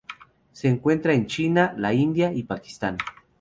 Se encuentra en China, la India y Pakistán.